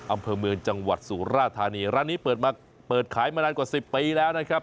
อำเภอเมืองจังหวัดสุราธานีร้านนี้เปิดมาเปิดขายมานานกว่า๑๐ปีแล้วนะครับ